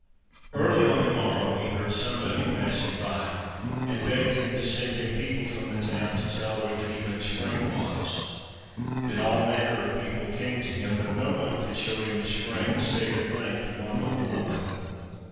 Early on the morrow he heard somebody passing by, and [Pg 95] begged him to send him people from the town, to tell where the healing spring was. Then all manner of people came to him, but no one could show him the spring, save at length one old woman.